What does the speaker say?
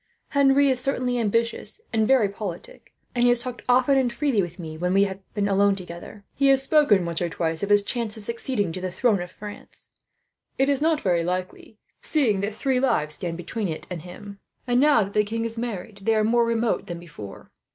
Henry is certainly ambitious and very politic, and he has talked often and freely with me, when we have been alone together. He has spoken, once or twice, of his chances of succeeding to the throne of France. They are not great, seeing that three lives stand between it and him and, now that the king has married, they are more remote than before.